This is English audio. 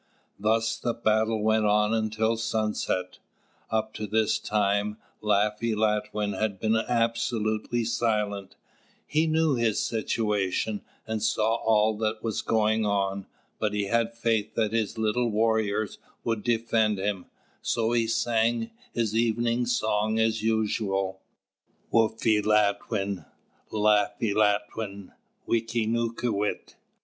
Thus the battle went on until sunset. Up to this time, Laffy Latwin had been absolutely silent; he knew his situation, and saw all that was going on; but he had faith that his little warriors would defend him, so he sang his evening song as usual: "Woffy Latwin, Laffy Latwin, wickīūtūwit."